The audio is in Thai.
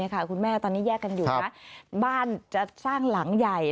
คุณแม่ตอนนี้แยกกันอยู่นะบ้านจะสร้างหลังใหญ่